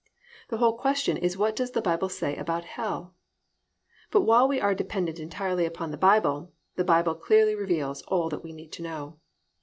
The whole question is what does the Bible say about Hell? But while we are dependent entirely upon the Bible, the Bible clearly reveals all that we need to know.